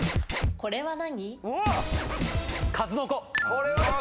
これは何？